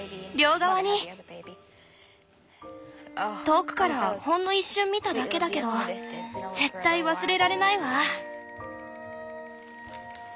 遠くからほんの一瞬見ただけだけど絶対忘れられないわ！